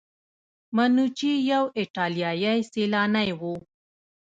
منوچي یو ایټالیایی سیلانی و.